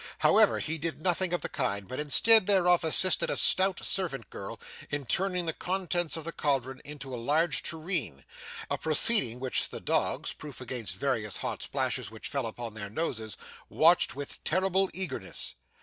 However, he did nothing of the kind, but instead thereof assisted a stout servant girl in turning the contents of the cauldron into a large tureen; a proceeding which the dogs, proof against various hot splashes which fell upon their noses, watched with terrible eagerness.